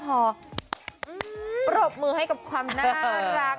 ปรบมือให้กับความน่ารัก